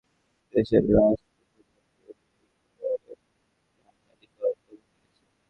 ওয়েসাইটে এবং ফেসবুকে তারা দেশের রাষ্ট্রপ্রধানকে হেয় করে অনেক মানহানিকর কথা লিখেছে।